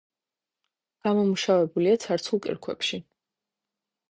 გამომუშავებულია ცარცულ კირქვებში.